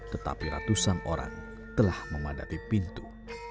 tetapi ratusan orang telah memadati pintu